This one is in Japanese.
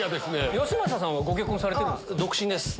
よしまささんはご結婚されてるんですか？